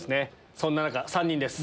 そんな中３人です。